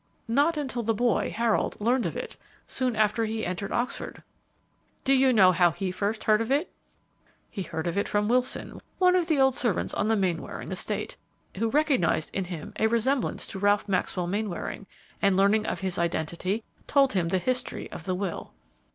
"Not until the boy, Harold, learned of it, soon after he entered Oxford." "Do you know how he first heard of it?" "He heard of it from Wilson, one of the old servants on the Mainwaring estate, who recognized in him a resemblance to Ralph Maxwell Mainwaring, and, learning of his identity, told him the history of the will."